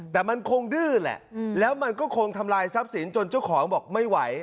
แต่มันคงดื้อแหละแล้วมันก็คงทำลายทรัพย์สินจนเจ้าของบอกไม่ไหว